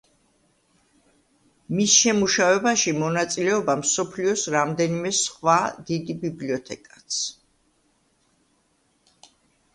მის შემუშავებაში მონაწილეობა მსოფლიოს რამდენიმე სხვა დიდი ბიბლიოთეკაც.